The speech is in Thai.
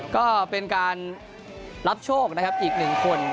ก็เป็นการรับโชคนะครับอีกหนึ่งคน